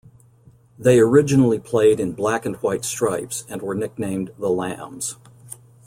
They originally played in black-and-white stripes and were nicknamed "the Lambs".